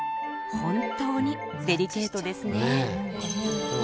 本当にデリケートですね。